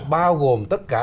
bao gồm tất cả